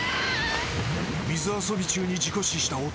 水遊び中に事故死した夫。